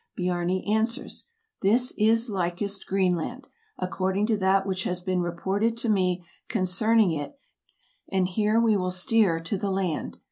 Biarni answers, "This is likest Greenland, according to that which has been reported to me concerning it, and here we will steer to the land.